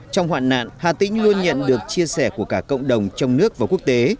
trong hoạn nạn hà tĩnh luôn nhận được chia sẻ của cả cộng đồng trong nước và quốc tế